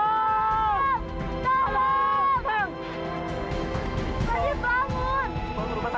ada yang ditabrak